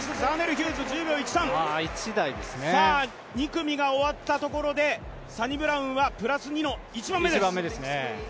２組が終わったところで、サニブラウンはプラス２の１番目です。